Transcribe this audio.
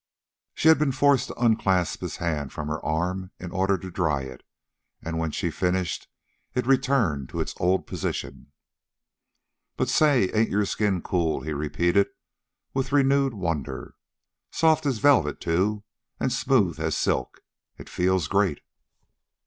She had been forced to unclasp his hand from her arm in order to dry it, and when she finished, it returned to its old position. "But, say, ain't your skin cool," he repeated with renewed wonder. "Soft as velvet, too, an' smooth as silk. It feels great."